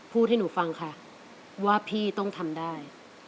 ให้หนูฟังค่ะว่าพี่ต้องทำได้